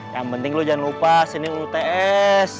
yang penting lu jangan lupa sini uts